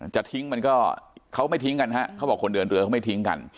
จะทิ้งมันก็เขาไม่ทิ้งกันฮะเขาบอกคนเดินเรือเขาไม่ทิ้งกัน